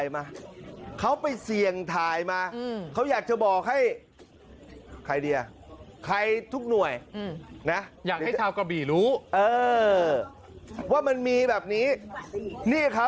มันอยากจะบอกให้ใครสุดน่าให้ชาวเก้าบีรู้